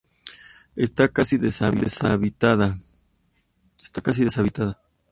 Está casi deshabitada.